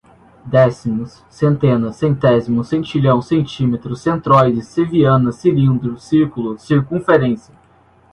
décimos, centena, centésimo, centilhão, centímetro, centroide, ceviana, cilindro, circulo, circunferência